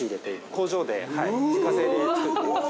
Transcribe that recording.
工場で、自家製で作っています。